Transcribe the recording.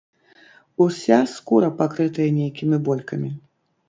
Уся скура пакрытая нейкімі болькамі.